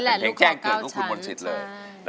เป็นเพลงแกล้งเกิดของคุณมนศิษย์เลย